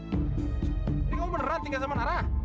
jadi kamu beneran tinggal sama siapa sekarang